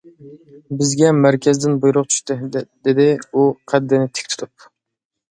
-بىزگە مەركەزدىن بۇيرۇق چۈشتى، دېدى ئۇ قەددىنى تىك تۇتۇپ.